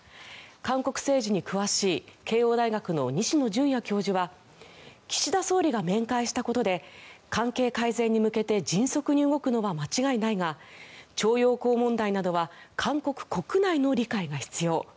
韓国政治に詳しい慶応大学の西野純也教授は岸田総理が面会したことで関係改善に向けて迅速に動くのは間違いないが徴用工問題などは韓国国内の理解が必要。